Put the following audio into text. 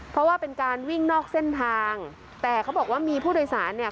เพราะว่าเป็นการวิ่งนอกเส้นทางแต่เขาบอกว่ามีผู้โดยสารเนี่ย